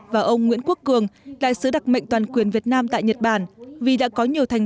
và ông nguyễn quốc cường đại sứ đặc mệnh toàn quyền việt nam tại nhật bản vì đã có nhiều thành